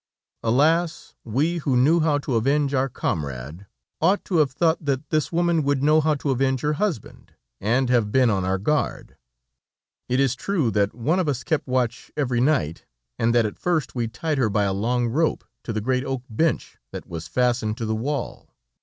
Alas! we who knew how to avenge our comrade, ought to have thought that this woman would know how to avenge her husband, and have been on our guard. It is true that one of us kept watch every night, and that at first we tied her by a long rope to the great oak bench that was fastened to the wall.